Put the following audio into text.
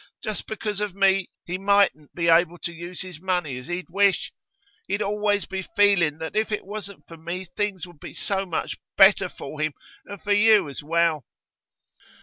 Just because of me, he mightn't be able to use his money as he'd wish. He'd always be feeling that if it wasn't for me things would be so much better for him and for you as well.